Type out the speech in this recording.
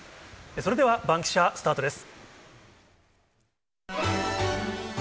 それではバンキシャ、スタートです。